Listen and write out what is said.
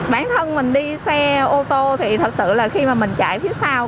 bản thân mình đi xe ô tô thì thật sự là khi mà mình chạy phía sau